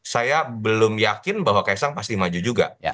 saya belum yakin bahwa kaisang pasti maju juga